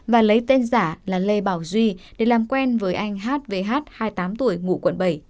và lấy tên giả là lê bảo duy để làm quen với anh h v h hai mươi tám tuổi ngụ quận bảy